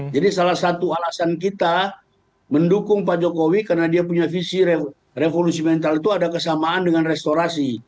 jadi salah satu alasan kita mendukung pak jokowi karena dia punya visi revolusi mental itu ada kesamaan dengan restorasi